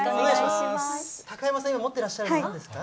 高山さん、今持ってらっしゃるのなんですか？